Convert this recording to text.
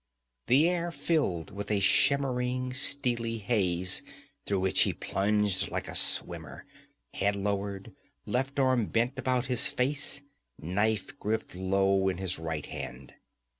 The air filled with a shimmering steely haze through which he plunged like a swimmer, head lowered, left arm bent about his face, knife gripped low in his right hand.